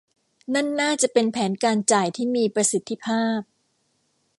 นั่นน่าจะเป็นแผนการจ่ายที่มีประสิทธิภาพ